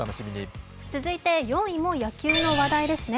続いて４位も野球ですね。